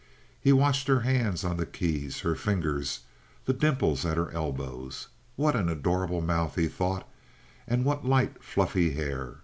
He watched her hands on the keys, her fingers, the dimples at her elbows. What an adorable mouth, he thought, and what light, fluffy hair!